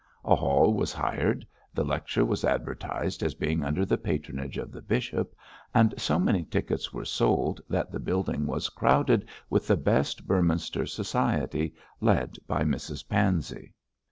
A hall was hired; the lecture was advertised as being under the patronage of the bishop, and so many tickets were sold that the building was crowded with the best Beorminster society, led by Mrs Pansey.